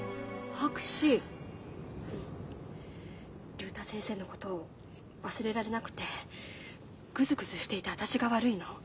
竜太先生のことを忘れられなくてグズグズしていた私が悪いの。